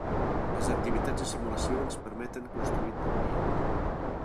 Les activitats de simulació ens permeten construir teories.